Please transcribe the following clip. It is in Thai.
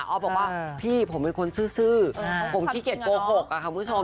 อฟบอกว่าพี่ผมเป็นคนซื่อผมขี้เกียจโกหกอะค่ะคุณผู้ชม